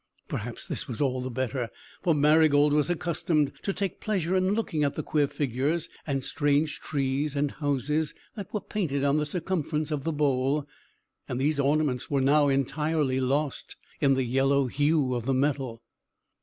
Perhaps this was all the better; for Marygold was accustomed to take pleasure in looking at the queer figures, and strange trees and houses, that were painted on the circumference of the bowl; and these ornaments were now entirely lost in the yellow hue of the metal.